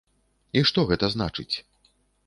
І што гэта значыць?